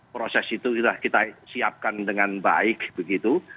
proses itu sudah kita siapkan dengan baik begitu